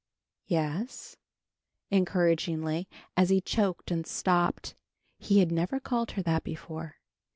"Yes," encouragingly, as he choked and stopped. He had never called her that before.